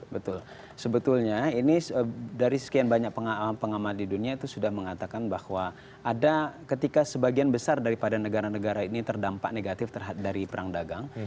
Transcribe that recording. betul sebetulnya ini dari sekian banyak pengamat di dunia itu sudah mengatakan bahwa ada ketika sebagian besar daripada negara negara ini terdampak negatif dari perang dagang